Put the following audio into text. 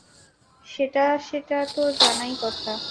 সেটা-সেটা তো জানাই কথা।